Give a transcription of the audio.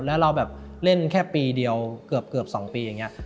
แล้วเราแบบเล่นแค่ปีเดียวเกือบ๒ปีอย่างนี้